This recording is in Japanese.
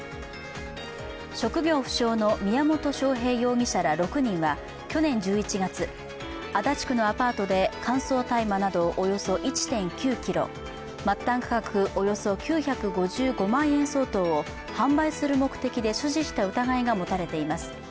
職業不詳の宮本晶平容疑者ら６人は去年１１月、足立区のアパートで乾燥大麻などおよそ１．９ｋｇ、末端価格およそ９５５万円相当を販売する目的で所持した疑いが持たれています。